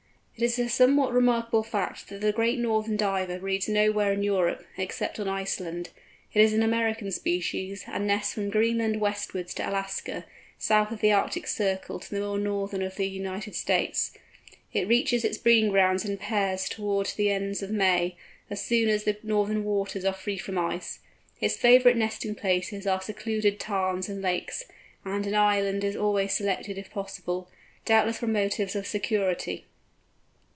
It is a somewhat remarkable fact that the Great Northern Diver breeds nowhere in Europe, except on Iceland. It is an American species, and nests from Greenland westwards to Alaska, south of the Arctic circle to the more northern of the United States. It reaches its breeding grounds in pairs towards the end of May, as soon as the northern waters are free from ice. Its favourite nesting places are secluded tarns and lakes, and an island is always selected if possible, doubtless from motives of security.